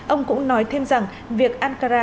ông cũng nói thêm rằng việc ankara